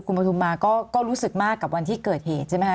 คุณปฐุมมาก็รู้สึกมากกับวันที่เกิดเหตุใช่ไหมคะ